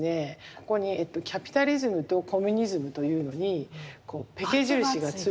ここに「キャピタリズム」と「コミュニズム」というのにこうペケ印がついていて。